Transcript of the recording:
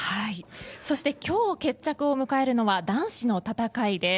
そして今日決着を迎えるのは男子の戦いです。